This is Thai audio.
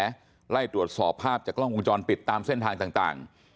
และไล่ตรวจสอบภาพจากกล้องวงจรปิดตามเส้นทางต่าง